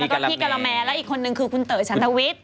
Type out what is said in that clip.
แล้วก็พี่กะละแมและอีกคนนึงคือคุณเต๋อฉันทวิทย์